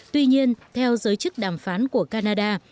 tuy nhiên theo giới chức đàm phán của canada